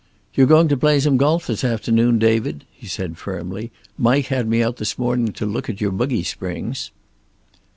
"You're going to play some golf this afternoon, David," he said firmly. "Mike had me out this morning to look at your buggy springs."